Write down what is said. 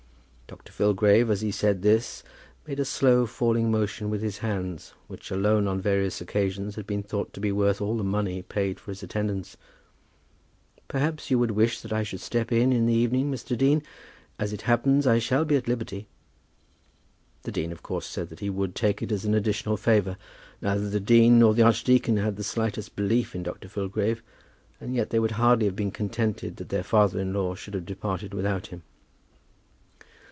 Dr. Filgrave, as he said this, made a slow falling motion with his hands, which alone on various occasions had been thought to be worth all the money paid for his attendance. "Perhaps you would wish that I should step in in the evening, Mr. Dean? As it happens, I shall be at liberty." The dean of course said that he would take it as an additional favour. Neither the dean nor the archdeacon had the slightest belief in Dr. Filgrave, and yet they would hardly have been contented that their father in law should have departed without him.